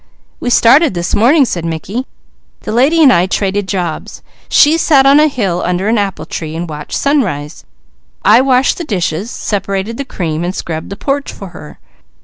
"We started this morning," said Mickey. "The lady and I traded jobs; she sat on a hill under an apple tree and watched sunrise. I washed the dishes, sep'rated the cream, and scrubbed the porch for her.